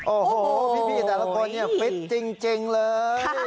โอ้โหพี่แต่ละคนเนี่ยฟิตจริงเลย